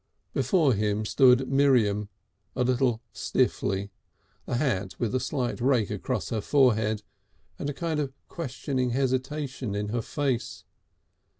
Before him stood Miriam, a little stiffly, the hat with a slight rake across her forehead, and a kind of questioning hesitation in her face.